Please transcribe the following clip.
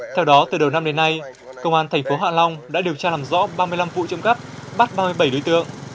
theo đó từ đầu năm đến nay công an thành phố hạ long đã điều tra làm rõ ba mươi năm vụ trộm cắp bắt ba mươi bảy đối tượng